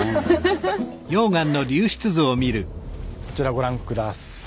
こちらご覧下さい。